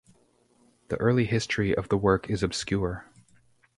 The early history of the work is obscure.